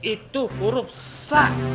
itu huruf s